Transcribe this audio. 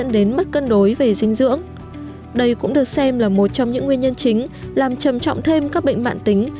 đây cũng được xem là một trong những nguyên nhân chính làm trầm trọng thêm các bệnh mạng tính